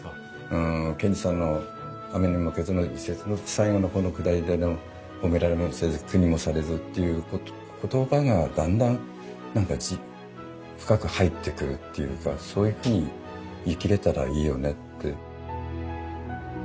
うん賢治さんの「雨ニモマケズ」の一節の最後の方のくだりでの「ホメラレモセズクニモサレズ」っていう言葉がだんだん何か深く入ってくるっていうかそういうふうに生きれたらいいよねって。